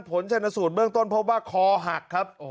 ผลชนสูตรเบื้องต้นพบว่าคอหักครับ